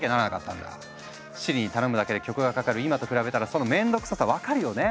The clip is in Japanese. Ｓｉｒｉに頼むだけで曲がかかる今と比べたらその面倒くささ分かるよね？